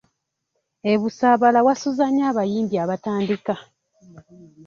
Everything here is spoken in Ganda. E Busaabala wasuza nnyo abayimbi abatandika.